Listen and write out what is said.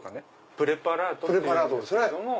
プレパラートっていうんですけども。